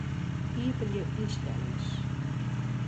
Iepenje ynstellings.